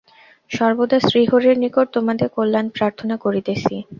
সর্বদা শ্রীহরির নিকট তোমাদের কল্যাণ প্রার্থনা করিতেছি।